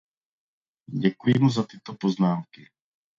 Děkuji mu za tyto poznámky.